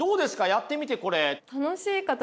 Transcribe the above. やってみてこれ。